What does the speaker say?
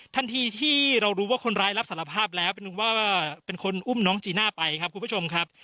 ทันทีที่เรารู้ว่าคนร้ายรับสารภาพแล้วเป็นว่าเป็นคนอุ้มน้องจีน่าไปครับคุณผู้ชมครับ